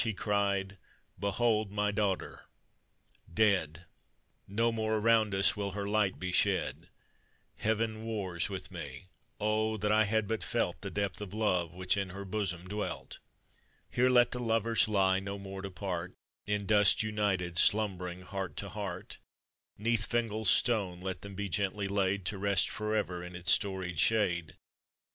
he cried, "Behold my daugh ter— dead ! No more around us will her light be shed: Heaven wars with me; oh! that I had but felt The depth of love which in her bosom dwelt. Here let the lovers lie, no more to part, In dust united, slumbering heart to heart; 'Neath Fingal's stone let them be gently laid, To rest forever in its storied shade.